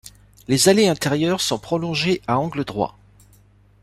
Les allées intérieures sont prolongées à angle droit.